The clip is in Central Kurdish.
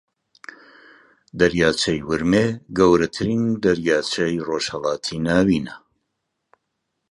دەریاچەی ورمێ گەورەترین دەریاچەی ڕۆژھەڵاتی ناوینە